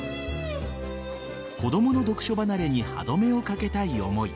子供の読書離れに歯止めをかけたい思い。